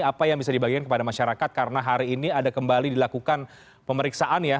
apa yang bisa dibagikan kepada masyarakat karena hari ini ada kembali dilakukan pemeriksaan ya